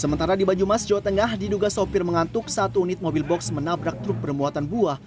sementara di banyumas jawa tengah diduga sopir mengantuk satu unit mobil box menabrak truk bermuatan buah